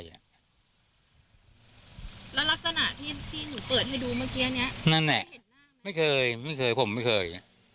แล้วลักษณะที่ที่หนูเปิดให้ดูเมื่อกี้ค่ะนั่นแหละม๊าไม่เคยไม่เคยผมไม่เคย